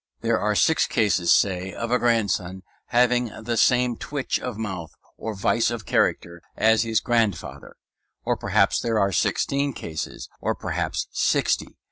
There are six cases, say, of a grandson having the same twitch of mouth or vice of character as his grandfather; or perhaps there are sixteen cases, or perhaps sixty.